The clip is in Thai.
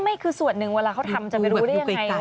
ไม่คือส่วนหนึ่งเวลาเขาทำจะไปรู้ได้ยังไง